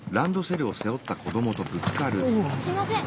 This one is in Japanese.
すいません。